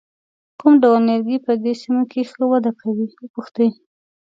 کوم ډول نیالګي په دې سیمه کې ښه وده کوي وپوښتئ.